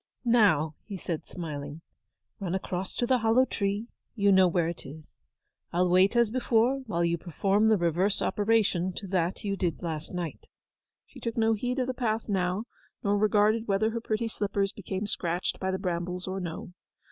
'Now,' he said, smiling, 'run across to the hollow tree; you know where it is. I'll wait as before, while you perform the reverse operation to that you did last night.' She took no heed of the path now, nor regarded whether her pretty slippers became scratched by the brambles or no.